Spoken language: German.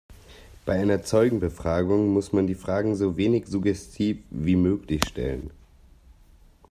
Bei einer Zeugenbefragung muss man die Fragen so wenig suggestiv wie möglich stellen.